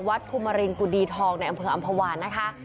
วัดภูมารินกุฎีทองในอำเภออัมพวาลนะคะ